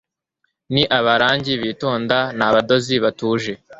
Ni abarangi bitonda n'abadozi batuje